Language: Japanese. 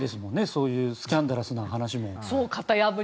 そういうスキャンダラスな話も。